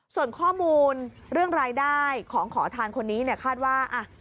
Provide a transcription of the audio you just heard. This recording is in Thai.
ส่วนข้อมูลเรื่องรายได้ของขอทานคนนี้เนี่ยคาดว่า